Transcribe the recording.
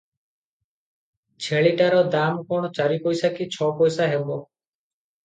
"ଛେଳିଟାର ଦାମ କଣ ଚାରି ପଇସା କି ଛଅ ପଇସା ହେବ ।"